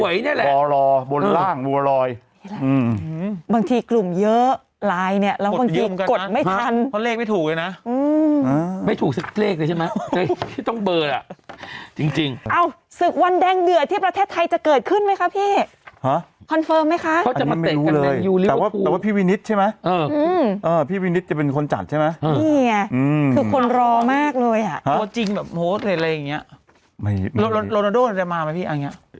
บัวรอยบัวรอบนร่างบัวรอยนี่แหละฮืมฮืมฮืมฮืมฮืมฮืมฮืมฮืมฮืมฮืมฮืมฮืมฮืมฮืมฮืมฮืมฮืมฮืมฮืมฮืมฮืมฮืมฮืมฮืมฮืมฮืมฮืมฮืมฮืมฮืมฮืมฮืมฮืมฮืมฮืมฮืมฮืมฮืม